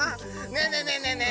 ねえねえねえねえ！